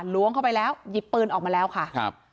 ล้วงเข้าไปแล้วหยิบปืนออกมาแล้วค่ะครับ